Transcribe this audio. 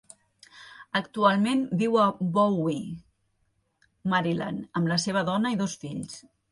Actualment viu a Bowie, Maryland, amb la seva dona i dos fills.